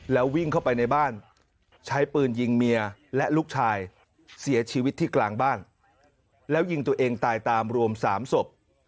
แล้ววิ่งเข้าไปในบ้านใช้ปืนยิงเมียและลูกชายเสียชีวิตที่กลางบ้านแล้วยิงตัวเองตายตามรวม๓ศพ